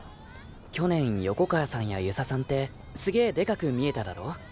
去年横川さんや遊佐さんってすげぇでかく見えただろ。